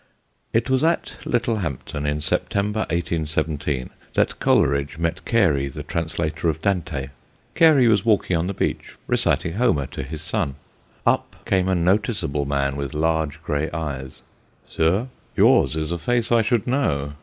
It was at Littlehampton in September, 1817, that Coleridge met Cary, the translator of Dante. Cary was walking on the beach, reciting Homer to his son. Up came a noticeable man with large grey eyes: "Sir, yours is a face I should know.